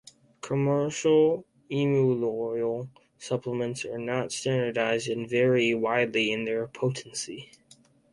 Commercial emu oil supplements are not standardized and vary widely in their potency.